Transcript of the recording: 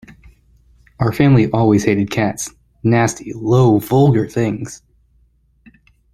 Our family always hated cats: nasty, low, vulgar things!